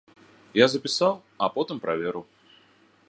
Я запісаў, а потым праверыў.